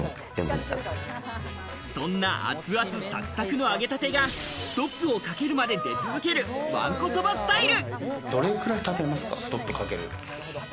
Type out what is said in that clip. そんな熱々サクサクの揚げたてがストップをかけるまで出続けるわんこそばスタイル！